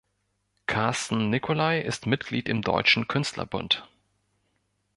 Carsten Nicolai ist Mitglied im Deutschen Künstlerbund.